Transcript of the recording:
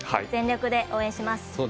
全力で応援します。